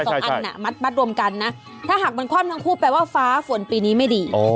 อันน่ะมัดรวมกันนะถ้าหากมันคว่ำทั้งคู่แปลว่าฟ้าฝนปีนี้ไม่ดี